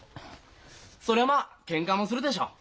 そりゃまあケンカもするでしょう。